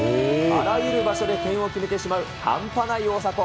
あらゆる場所で点を決めてしまう、半端ない大迫。